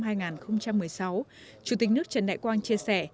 trong năm hai nghìn một mươi sáu chủ tịch nước trần đại quang chia sẻ